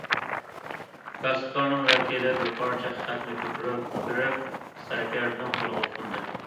كاسىپلارنىڭ ۋەكىلى بىر پارچە خەتنى كۆتۈرۈپ بېرىپ سەركەردىنىڭ قولىغا سۇندى.